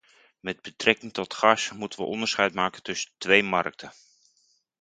Met betrekking tot gas moeten we onderscheid maken tussen twee markten.